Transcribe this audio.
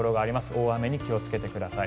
大雨に気をつけてください。